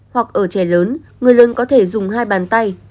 hoặc ở trẻ lớn người lớn có thể dùng hai bàn tay